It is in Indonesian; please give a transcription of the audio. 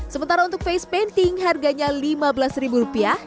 sementara untuk face painting harganya lima belas rupiah